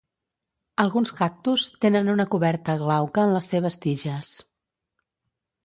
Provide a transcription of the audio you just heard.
Alguns cactus tenen una coberta glauca en les seves tiges.